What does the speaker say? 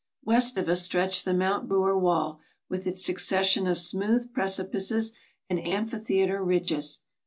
West of us stretched the Mount Brewer wall with its suc cession of smooth precipices and amphitheater ridges.